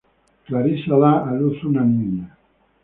Clarisa da a luz una niña.